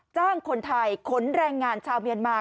จ้างคนไทยขนแรงงานชาวเมียนมา